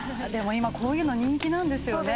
今こういうの人気なんですよね。